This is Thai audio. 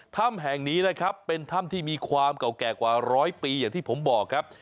ถ้ำแห่งนี้นะครับเป็นถ้ำที่มีความเก่าแก่กว่าร้อยปีอย่างที่ผมบอกครับ